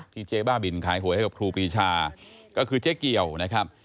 เจ๊บ้าบินขายหวยให้กับครูปรีชาก็คือเจ๊เกี่ยวนะครับ